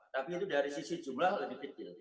tapi itu dari sisi jumlah lebih kecil